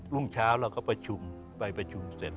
รุ่งเช้าเราก็ประชุมไปประชุมเสร็จ